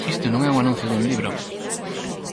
Isto non é un anuncio dun libro.